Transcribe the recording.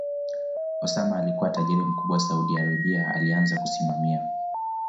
Osama alikua tajiri mkubwa Saudi Arabia alianza kusimamia